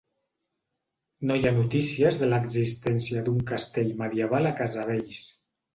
No hi ha notícies de l'existència d'un castell medieval a Casavells.